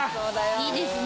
いいですね。